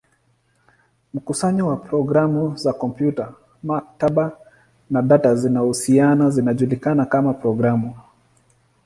Mkusanyo wa programu za kompyuta, maktaba, na data zinazohusiana zinajulikana kama programu.